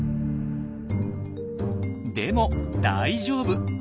でも大丈夫。